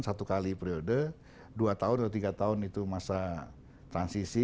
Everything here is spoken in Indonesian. satu kali periode dua tahun atau tiga tahun itu masa transisi